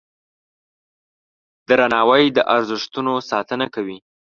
درناوی د ارزښتونو ساتنه کوي.